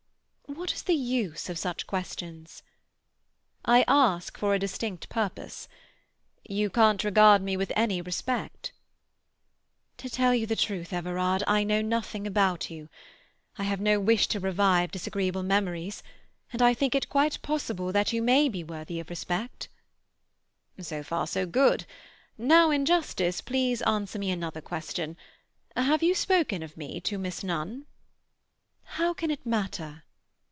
"What is the use of such questions?" "I ask for a distinct purpose. You can't regard me with any respect?" "To tell you the truth, Everard, I know nothing about you. I have no wish to revive disagreeable memories, and I think it quite possible that you may be worthy of respect." "So far so good. Now, in justice, please answer me another question. How have you spoken of me to Miss Nunn?" "How can it matter?"